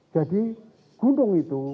jadi gunung itu